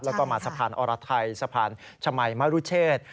แล้วก็มาสะพานอรไทยสะพานชมัยมรุเชษ